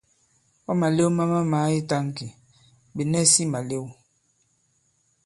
Ɔ̂ màlew ma mamàa i tāŋki, ɓè nɛsi malew.